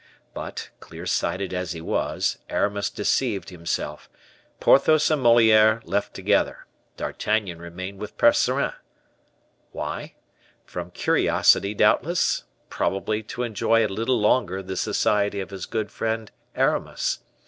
But, clear sighted as he was, Aramis deceived himself. Porthos and Moliere left together: D'Artagnan remained with Percerin. Why? From curiosity, doubtless; probably to enjoy a little longer the society of his good friend Aramis.